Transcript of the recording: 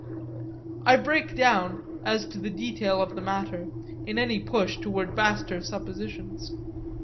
I break down, as to the detail of the matter, in any push toward vaster suppositions.